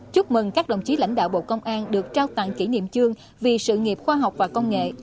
chúc mừng các đồng chí lãnh đạo bộ công an được trao tặng kỷ niệm chương vì sự nghiệp khoa học và công nghệ